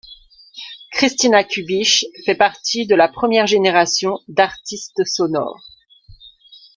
Christina Kubisch fait partie de la première génération d'artistes sonores.